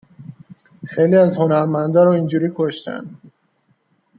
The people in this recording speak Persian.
خیلی از هنرمندا رو اینجوری کشتن